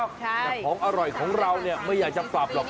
แต่ของอร่อยของเราไม่อยากจะปรับพร็อม